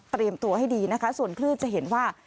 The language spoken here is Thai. ตัวให้ดีนะคะส่วนคลื่นจะเห็นว่า